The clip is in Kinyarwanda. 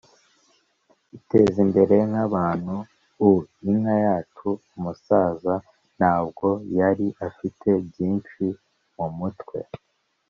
itezimbere nka bantuuinka yacu, umusaza ntabwo yari afite byinshi mumutwe,